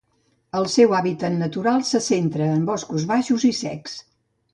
El seu hàbitat natural se centra en boscos baixos i secs.